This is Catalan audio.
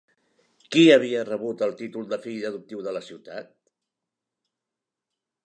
Qui havia rebut el títol de fill adoptiu de la ciutat?